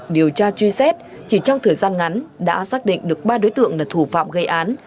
điều tra truy xét chỉ trong thời gian ngắn đã xác định được ba đối tượng là thủ phạm gây án